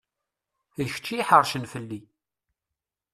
D kečč i iḥeṛcen fell-i.